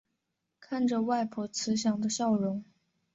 看着外婆慈祥的笑容